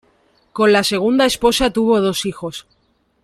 Con la segunda esposa tuvo dos hijos.